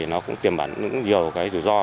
nó cũng tiềm bản nhiều rủi ro